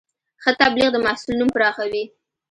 ښه تبلیغ د محصول نوم پراخوي.